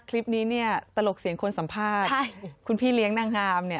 คลิปนี้เนี่ยตลกเสียงคนสัมภาษณ์คุณพี่เลี้ยงนางงามเนี่ย